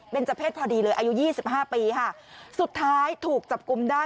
เป็นเจ้าเพศพอดีเลยอายุยี่สิบห้าปีค่ะสุดท้ายถูกจับกุมได้